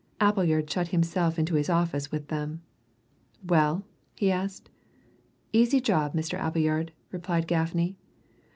Appleyard shut himself into his office with them. "Well?" he asked. "Easy job, Mr. Appleyard," replied Gaffney.